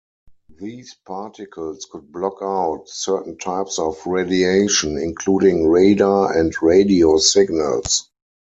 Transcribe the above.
These particles could block out certain types of radiation, including radar and radio signals.